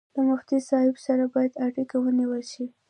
له مفتي صاحب سره باید اړیکه ونیول شي.